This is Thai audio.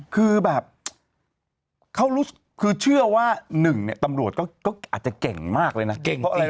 คือแบบเขารู้สึกคือเชื่อว่าหนึ่งเนี่ยตำรวจก็อาจจะเก่งมากเลยนะเก่ง